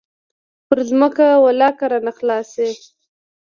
پر ځمکه ولله که رانه خلاص سي.